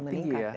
sangat tinggi ya